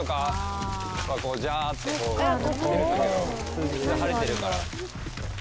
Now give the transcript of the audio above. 今日晴れてるから。